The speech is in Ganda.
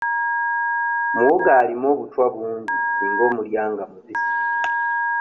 Muwogo alimu obutwa bungi singa omulya nga mubisi.